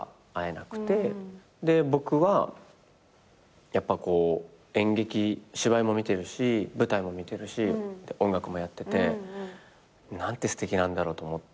僕はやっぱこう演劇芝居も見てるし舞台も見てるし音楽もやっててなんてすてきなんだろうと思って。